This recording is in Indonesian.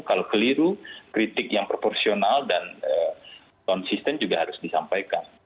kalau keliru kritik yang proporsional dan konsisten juga harus disampaikan